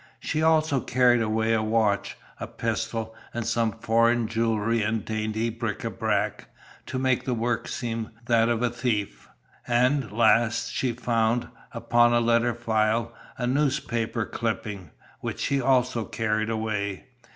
She also carried away a watch, a pistol, and some foreign jewellery and dainty bric a brac, to make the work seem that of a thief; and last, she found, upon a letter file, a newspaper clipping, which she also carried away.